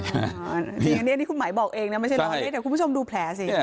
อันนี้คุณหมายบอกเองนะไม่ใช่น้อยเดี๋ยวคุณผู้ชมดูแผลสิ